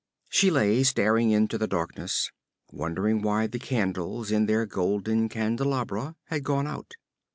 She lay staring into the darkness, wondering why the candles in their golden candelabra had gone out.